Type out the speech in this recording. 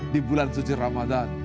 di bulan suci ramadan